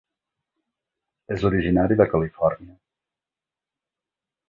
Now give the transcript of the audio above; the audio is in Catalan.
És originari de Califòrnia.